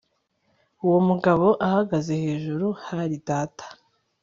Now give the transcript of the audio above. Uwo mugabo uhagaze hejuru hari data